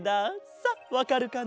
さあわかるかな？